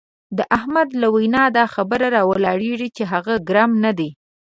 د احمد له وینا دا خبره را ولاړېږي چې هغه ګرم نه دی.